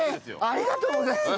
ありがとうございます！